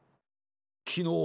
きのう